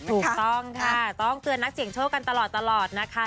ถูกต้องค่ะต้องเตือนนักเสี่ยงโชคกันตลอดนะคะ